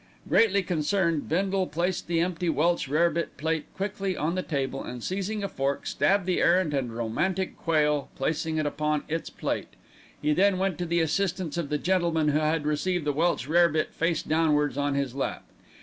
Greatly concerned, Bindle placed the empty Welsh rarebit plate quickly on the table and, seizing a fork, stabbed the errant and romantic quail, replacing it upon its plate. He then went to the assistance of the gentleman who had received the Welsh rarebit face downwards on his lap.